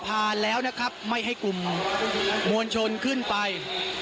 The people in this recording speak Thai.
ผ่านแล้วนะครับไม่ให้กลุ่มมวลชนขึ้นไป